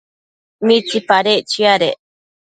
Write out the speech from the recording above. ¿mitsipadec chiadec